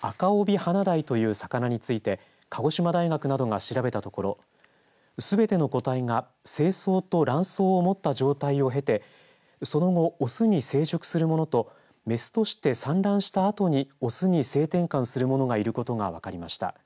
ハナダイという魚について鹿児島大学などが調べたところすべての個体が精巣と卵巣を持った状態をへてその後、オスに成熟するものとメスとして産卵したあとにオスに性転換するものがいることが分かりました。